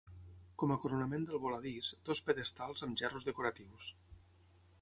Com a coronament del voladís, dos pedestals amb gerros decoratius.